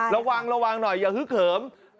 ระวังระวังหน่อยอย่าฮึกเหิม